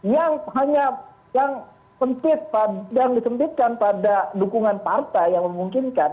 yang hanya yang disempitkan pada dukungan partai yang memungkinkan